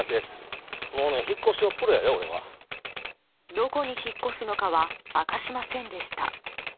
どこに引っ越すのかは明かしませんでした。